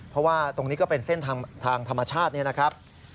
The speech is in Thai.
เพราะว่าตรงนี้ก็เป็นเส้นทางธรรมชาตินี่นะครับ